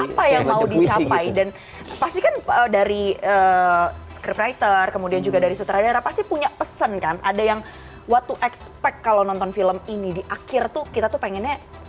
apa yang mau dicapai dan pasti kan dari script writer kemudian juga dari sutradara pasti punya pesan kan ada yang what to expect kalau nonton film ini di akhir tuh kita tuh pengennya